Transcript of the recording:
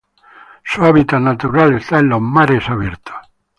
Su hábitat natural está en los mares abiertos.